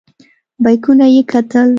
بیکونه یې کتل.